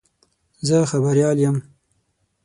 زه خبریال یم.